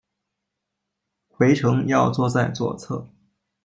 回程要坐在左侧